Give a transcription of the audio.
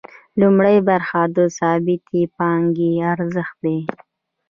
لومړۍ برخه د ثابتې پانګې ارزښت دی